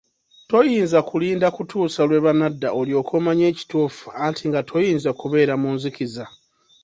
Toyinza kulinda kutuusa lwe banadda olyoke omanye ekituufu anti nga toyinza kubeera mu nzikiza.